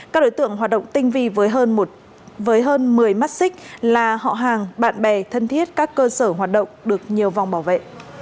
các đối tượng hoạt động tinh vi hơn với hơn một mươi mắt xích là họ hàng bạn bè thân thiết các cơ sở hoạt động được nhiều vòng bảo vệ